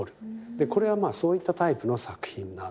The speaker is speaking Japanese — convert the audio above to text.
これはそういったタイプの作品なんですね。